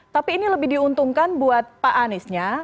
tapi ini lebih diuntungkan buat pak aniesnya